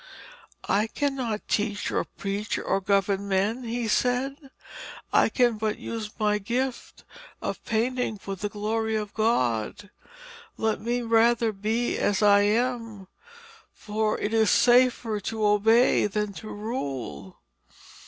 'I cannot teach or preach or govern men,' he said, 'I can but use my gift of painting for the glory of God. Let me rather be as I am, for it is safer to obey than to rule.'